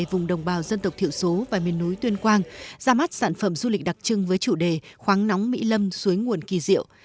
vùng đồng bào dân tộc thiểu số và miền núi tuyên quang ra mắt sản phẩm du lịch đặc trưng với chủ đề khoáng nóng mỹ lâm suối nguồn kỳ diệu